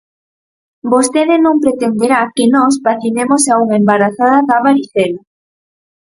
Vostede non pretenderá que nós vacinemos a unha embarazada da varicela.